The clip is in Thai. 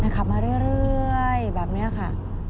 ขับมาเรื่อยแบบนี้ค่ะ